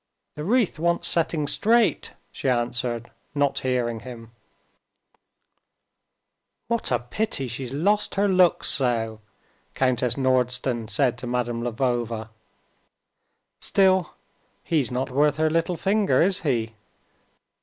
"The wreath wants setting straight," she answered, not hearing him. "What a pity she's lost her looks so," Countess Nordston said to Madame Lvova. "Still he's not worth her little finger, is he?"